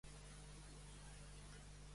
Con The Claypool Lennon Delirium